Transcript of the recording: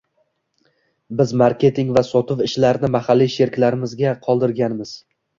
Biz marketing va sotuv ishlarini mahalliy sheriklarimizga qoldirganmiz.